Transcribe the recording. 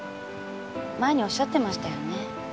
前におっしゃってましたよね？